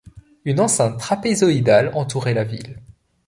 Une enceinte trapézoïdale entourait la ville.